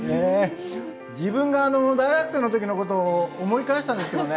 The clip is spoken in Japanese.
自分が大学生の時のことを思い返したんですけどね